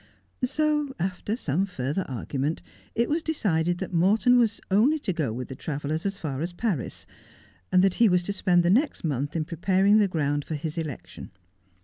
So, after some further argument, it was decided that Morton was only to go with the travellers as far as Paris, and that he was to spend the next month in preparing the ground for his election.